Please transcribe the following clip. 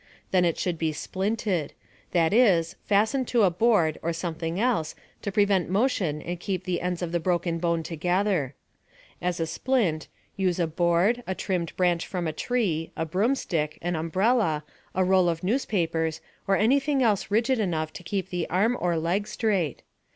Then it should be "splinted" that is, fastened to a board or something else to prevent motion and keep the ends of the broken bone together. As a splint, use a board, a trimmed branch from a tree, a broomstick, an umbrella, a roll of newspapers, or anything else rigid enough to keep the arm or leg straight.